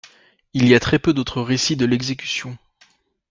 Il y a très peu d'autres récits de l'exécution.